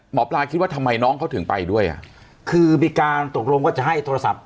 หมอปลาคิดว่าทำไมน้องเขาถึงไปด้วยอ่ะคือมีการตกลงว่าจะให้โทรศัพท์